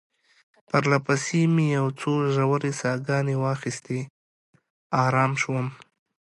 پرله پسې مې یو څو ژورې ساه ګانې واخیستې، آرام شوم.